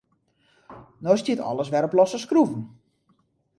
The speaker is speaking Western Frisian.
No stiet alles wer op losse skroeven.